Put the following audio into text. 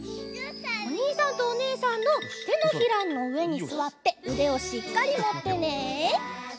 おにいさんとおねえさんのてのひらのうえにすわってうでをしっかりもってね。